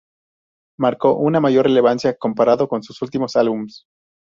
Marcó una mayor relevancia comparado con sus últimos álbumes.